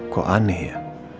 kok aneh ya